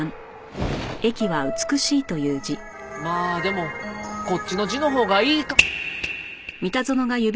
まあでもこっちの字のほうがいい。